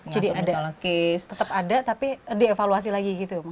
jadi ada tetap ada tapi dievaluasi lagi gitu